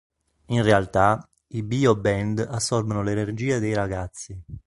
In realtà, i Bio Band assorbono l'energia dei ragazzi.